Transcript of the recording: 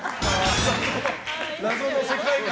謎の世界観。